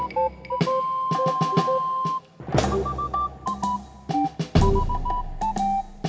makasih ya pa